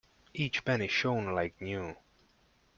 Each penny shone like new.